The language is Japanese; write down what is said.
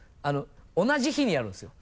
同じ日にやるんですよ。